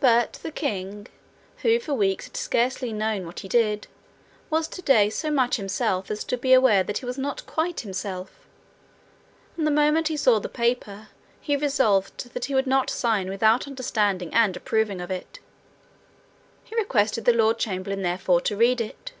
But the king, who for weeks had scarcely known what he did, was today so much himself as to be aware that he was not quite himself; and the moment he saw the paper, he resolved that he would not sign without understanding and approving of it. He requested the lord chamberlain therefore to read it.